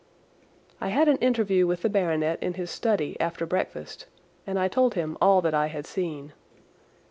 I had an interview with the baronet in his study after breakfast, and I told him all that I had seen.